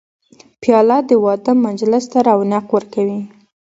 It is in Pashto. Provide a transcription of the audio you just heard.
پیاله د واده مجلس ته رونق ورکوي.